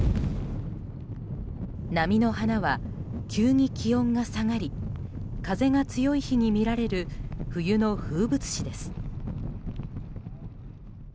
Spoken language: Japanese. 波の花は急に気温が下がり風が強い日に見られる冬の風物詩です。